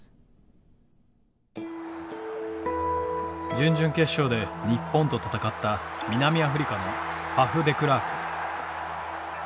準々決勝で日本と戦った南アフリカのファフ・デクラーク。